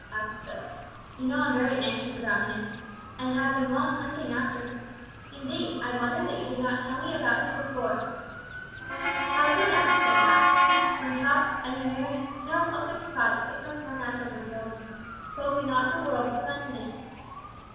asked Phil. "You know I'm very anxious about him, and have long been hunting after him. Indeed, I wonder that you did not tell me about him before." "How could I," said Pax, "when Tot I mean Merry no, I'll stick to Tottie it comes more natural than the old name told me not for worlds to mention it.